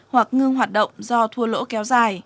hoặc ngưng hoạt động do thua lỗ kéo dài